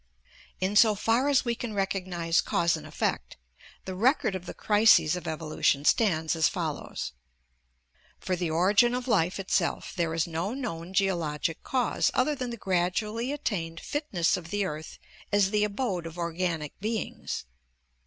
In so far as we can recognize cause and effect, the record of the crises of evolution stands as follows: For the origin of life itself there is no known geologic cause other than the gradually attained fitness of the earth as the abode of organic beings.